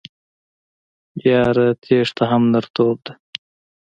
هههههه یاره تیښته هم نرتوب ده